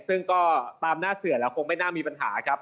ซึ่งก็ตามหน้าเสือแล้วคงไม่น่ามีปัญหาครับ